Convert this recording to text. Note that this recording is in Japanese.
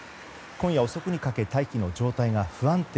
今夜遅くにかけ大気の状態が不安定。